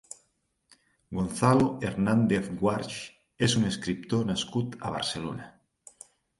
Gonzalo Hernández Guarch és un escriptor nascut a Barcelona.